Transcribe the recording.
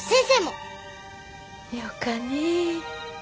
よかねぇ。